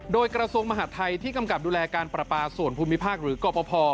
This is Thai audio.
โดยกระทรวงมหาดไทยที่กำกับดูแลการประปาส่วนภูมิภาคหรือกรปภ